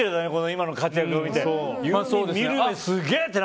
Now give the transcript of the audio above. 今の活躍を見て。